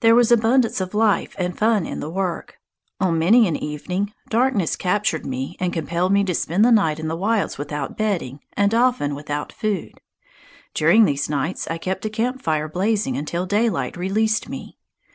There was abundance of life and fun in the work. On many an evening darkness captured me and compelled me to spend the night in the wilds without bedding, and often without food. During these nights I kept a camp fire blazing until daylight released me.